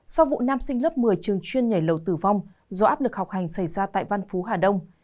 sau vụ nam sinh lớp một mươi trường chuyên nhảy lầu tử vong do áp lực học hành xảy ra tại văn phú hà đông